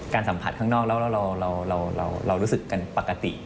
สัมผัสข้างนอกแล้วเรารู้สึกกันปกติ